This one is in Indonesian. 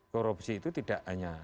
korupsi itu tidak hanya